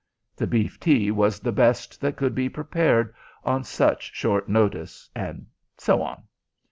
The beef tea was the best that could be prepared on such short notice, and so on.